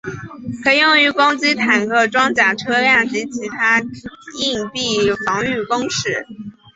可用于攻击坦克装甲车辆及其它硬壁防御工事。